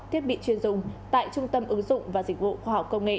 thiết bị chuyên dùng tại trung tâm ứng dụng và dịch vụ khoa học công nghệ